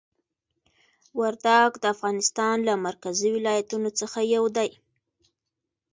وردګ د افغانستان له مرکزي ولایتونو څخه یو دی.